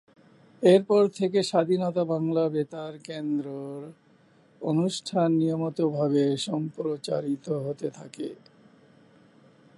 এরপর থেকে স্বাধীন বাংলা বেতার কেন্দ্রের অনুষ্ঠান নিয়মিতভাবে সম্প্রচারিত হতে থাকে।